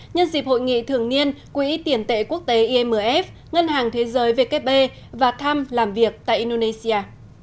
nhân dịp hội nghị thường niên quỹ tiền tệ quốc tế imf ngân hàng thế giới vkp và thăm làm việc tại indonesia